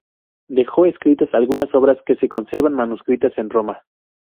Dejó escritas algunas obras, que se conservan manuscritas en Roma.